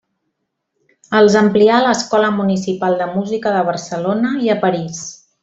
Els amplià a l'Escola Municipal de Música de Barcelona i a París.